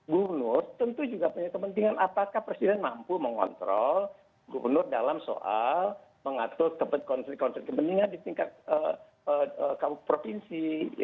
gubernur tentu juga punya kepentingan apakah presiden mampu mengontrol gubernur dalam soal mengatur konflik konflik kepentingan di tingkat provinsi